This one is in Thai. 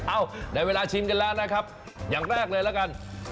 ได้เวลาชิมกันแล้วนะครับอย่างแรกเลยละกัน